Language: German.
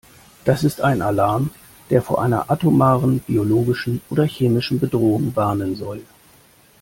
Das ist ein Alarm, der vor einer atomaren, biologischen oder chemischen Bedrohung warnen soll.